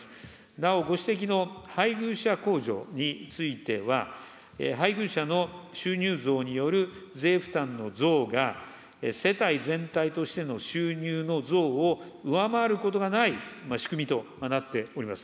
なお、ご指摘の配偶者控除については、配偶者の収入増による税負担の増が、世帯全体としての収入の増を上回ることがない仕組みとなっております。